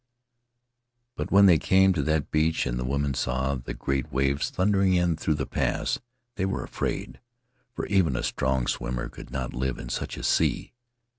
But when they came to that beach and the women saw the great waves thundering in through the pass, they were afraid, for even a strong swimmer could not live in such a sea.